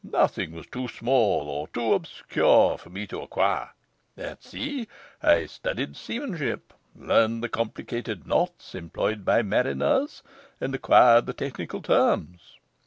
Nothing was too small or too obscure for me to acquire. At sea I studied seamanship, learned the complicated knots employed by mariners, and acquired the technical terms.